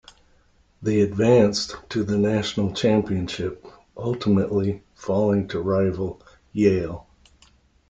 They advanced to the national championship, ultimately falling to rival Yale.